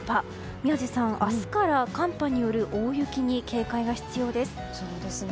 宮司さん明日から寒波による大雪に警戒が必要です。